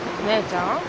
姉ちゃん？